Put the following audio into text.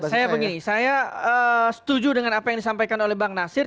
saya begini saya setuju dengan apa yang disampaikan oleh bang nasir